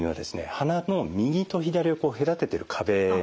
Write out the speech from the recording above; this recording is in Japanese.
鼻の右と左を隔ててる壁なんですね。